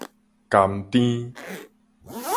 甘甜